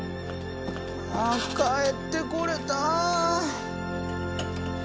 ああ帰ってこれた。